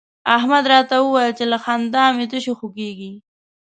احمد راته وويل چې له خندا مې تشي خوږېږي.